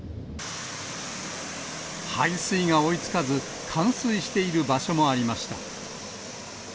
排水が追いつかず、冠水している場所もありました。